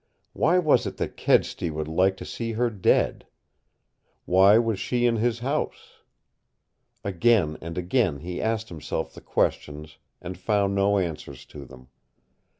Why was it that Kedsty would like to see her dead? Why was she in his house? Again and again he asked himself the questions and found no answers to them.